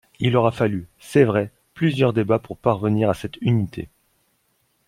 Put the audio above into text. Il aura fallu, c’est vrai, plusieurs débats pour parvenir à cette unité.